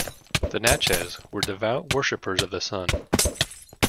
The Natchez were devout worshippers of the sun.